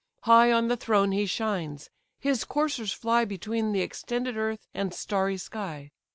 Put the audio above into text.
High on the throne he shines: his coursers fly Between the extended earth and starry sky.